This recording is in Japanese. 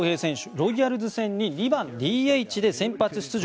ロイヤルズ戦に２番ＤＨで先発出場。